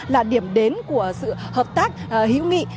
là điểm đến của sự hợp tác hữu nghị